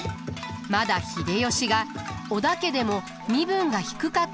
まだ秀吉が織田家でも身分が低かった頃だと考えられます。